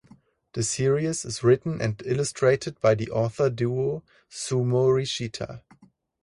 The series is written and illustrated by the author duo Suu Morishita.